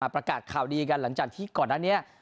ประกาศข่าวดีกันหลังจากที่ก่อนหน้านี้